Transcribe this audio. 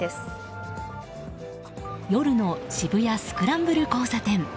夜の渋谷スクランブル交差点。